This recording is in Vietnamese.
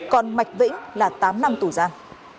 còn mạch vĩnh là tám năm tù giam